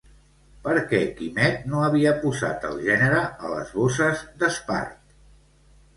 Per què Quimet no havia posat el gènere a les bosses d'espart?